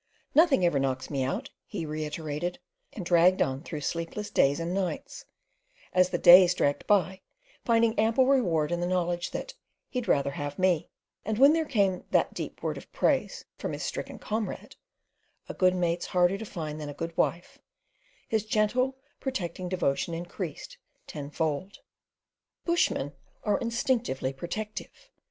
"Nothing ever knocks me out," he reiterated, and dragged on through sleepless days and nights, as the days dragged by finding ample reward in the knowledge that "he'd rather have me", and when there came that deep word of praise from his stricken comrade: "A good mate's harder to find than a good wife," his gentle, protecting devotion increased tenfold. Bushmen are instinctively protective.